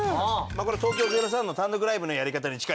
これ東京０３の単独ライブのやり方に近いですね。